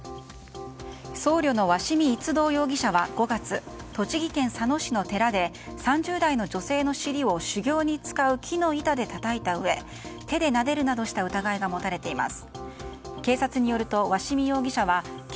僧侶の鷲見一道容疑者は５月栃木県佐野市の寺で３０代の女性の尻を修行に使う木の板でたたいたうえ手でなでるなどした疑いが持たれています。